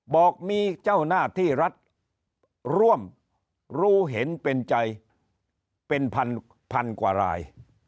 บอกมีเจ้าหน้าที่รัฐร่วมรู้เห็นเป็นใจเป็นพันกว่าราย